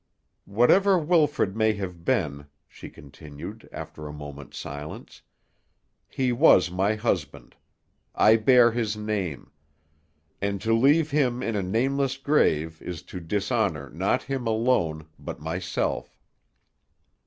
"Whatever Wilfrid may have been," she continued, after a moment's silence, "he was my husband. I bear his name. And to leave him in a nameless grave is to dishonor not him alone, but myself."